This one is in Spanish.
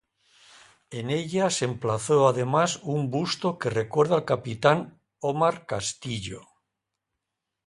En ella se emplazó además un busto que recuerda al capitán Omar Castillo.